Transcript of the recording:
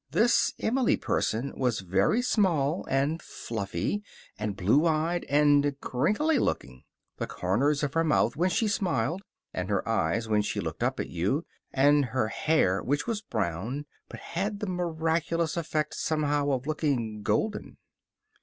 This Emily person was very small, and fluffy, and blue eyed, and crinkly looking. The corners of her mouth when she smiled, and her eyes when she looked up at you, and her hair, which was brown, but had the miraculous effect, somehow, of looking golden.